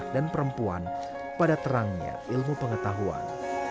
bagaimana cara menjelaskan keadaan anak dan perempuan pada terangnya ilmu pengetahuan